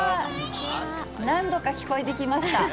何度か聞こえてきました。